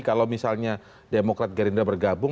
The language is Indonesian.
kalau misalnya demokrat gerindra bergabung